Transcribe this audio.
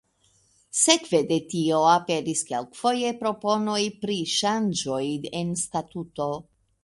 Sekve de tio aperis kelkfoje proponoj pri ŝanĝoj en statuto.